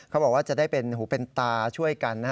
เขาบอกว่าจะได้เป็นหูเป็นตาช่วยกัน